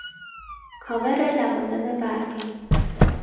کاور لوازم برقی